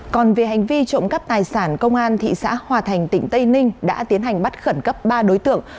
còn về hành vi trộm cắp tài sản công an thị xã hòa thành tỉnh tây ninh đã tiến hành bắt khẩn cấp ba đối tượng